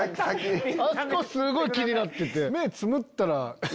あそこすごい気になってて。